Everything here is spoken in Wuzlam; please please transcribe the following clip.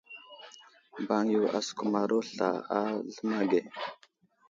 Mbaŋ yo asəkumaro sla a zləma ge.